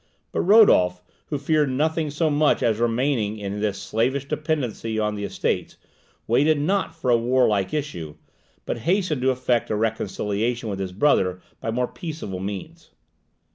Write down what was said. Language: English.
But Rodolph, who feared nothing so much as remaining in this slavish dependence on the Estates, waited not for a warlike issue, but hastened to effect a reconciliation with his brother by more peaceable means.